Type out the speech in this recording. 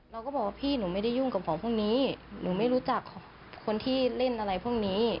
เราก็บอกว่าพี่หนูไม่ได้ยุ่งกับของพวกนี้หนูไม่รู้จักคนที่เล่นอะไรพวกนี้